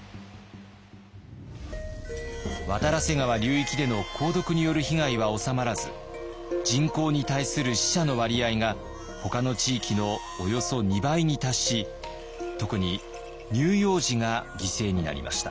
渡良瀬川流域での鉱毒による被害は収まらず人口に対する死者の割合がほかの地域のおよそ２倍に達し特に乳幼児が犠牲になりました。